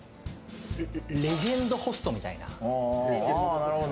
レジェンドホストみたいな。